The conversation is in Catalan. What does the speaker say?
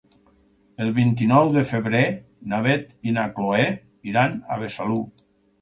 El vint-i-nou de febrer na Beth i na Chloé iran a Besalú.